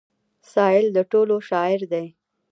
سايل د ټولو شاعر دی.